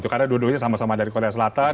karena dua duanya sama sama dari korea selatan